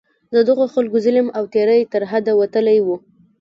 د دغو خلکو ظلم او تېری تر حده وتلی وو.